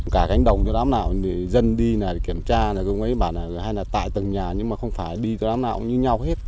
cả cánh đồng cho đám nào dân đi kiểm tra là cũng ấy bà là hay là tại tầng nhà nhưng mà không phải đi cho đám nào cũng như nhau hết